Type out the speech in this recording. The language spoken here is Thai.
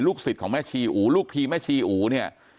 สิทธิ์ของแม่ชีอูลูกทีแม่ชีอูเนี่ย